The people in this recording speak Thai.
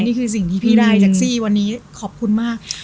นี่คือสิ่งที่พี่ได้แท็กซี่วันนี้ขอบคุณมาก